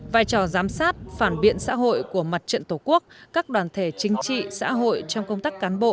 vai trò giám sát phản biện xã hội của mặt trận tổ quốc các đoàn thể chính trị xã hội trong công tác cán bộ